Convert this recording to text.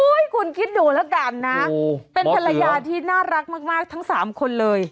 คุณคิดดูแล้วกันนะเป็นภรรยาที่น่ารักมากทั้ง๓คนเลย